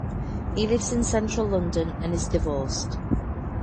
He lives in central London and is divorced.